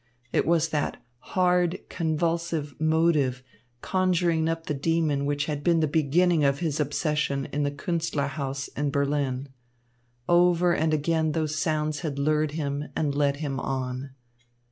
It was that hard, convulsive motive conjuring up the demons which had been the beginning of his obsession in the Künstlerhaus in Berlin. Over and again those sounds had lured him and led him on.